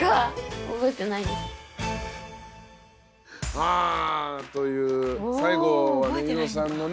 あという最後はねいろさんのね